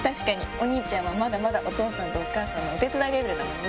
お兄ちゃんはまだまだお父さんとお母さんのお手伝いレベルだもんね。